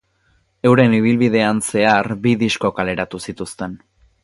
Euren ibilbidean zehar bi disko kaleratu zituzten.